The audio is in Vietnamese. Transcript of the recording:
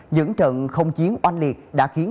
những trận không chiến oanh liệt đã khiến